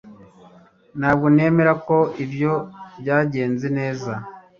Ntabwo nemera ko ibyo byagenze neza